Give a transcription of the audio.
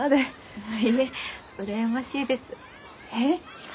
いいえ羨ましいです。え？